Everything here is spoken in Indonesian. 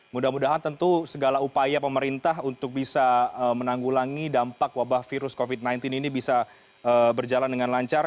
mudah mudahan tentu segala upaya pemerintah untuk bisa menanggulangi dampak wabah virus covid sembilan belas ini bisa berjalan dengan lancar